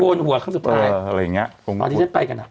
หัวครั้งสุดท้ายอะไรอย่างเงี้ยตอนที่ฉันไปกันอ่ะ